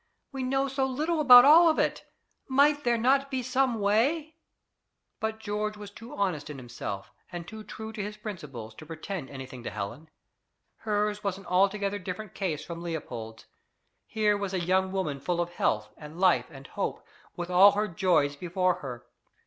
We know so little about all of it! MIGHT there not be some way?" But George was too honest in himself, and too true to his principles, to pretend anything to Helen. Hers was an altogether different case from Leopold's. Here was a young woman full of health and life and hope, with all her joys before her!